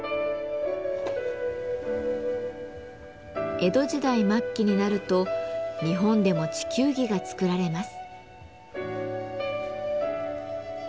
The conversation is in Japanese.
江戸時代末期になると日本でも地球儀が作られます。